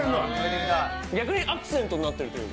逆にアクセントになってるというか。